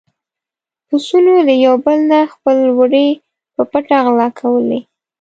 پسونو له يو بل نه خپل وړي په پټه غلا کولې.